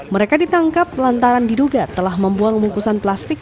mereka ditangkap lantaran diduga telah membuang bungkusan plastik